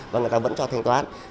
và người ta vẫn cho thành toán